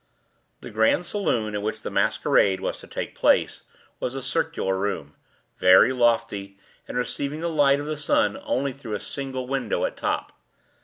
The grand saloon in which the masquerade was to take place, was a circular room, very lofty, and receiving the light of the sun only through a single window at top.